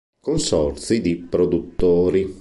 Consorzi di produttori